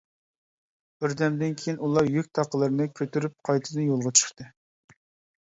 بىر دەمدىن كېيىن ئۇلار يۈك-تاقلىرىنى كۆتۈرۈپ قايتىدىن يولغا چىقتى.